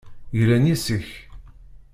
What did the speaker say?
Glan yes-k.